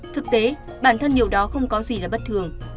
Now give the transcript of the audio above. thực tế bản thân điều đó không có gì là bất thường